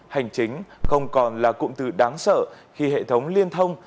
hành chính không còn là cụm từ đáng sợ khi hệ thống liên thông